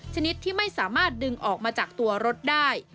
ชนิดที่ไม่สามารถดึงออกมาจากตัวรถได้